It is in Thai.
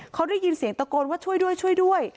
เขาได้ยินเสียงตะโกนว่าช่วยด้วยช่วยด้วย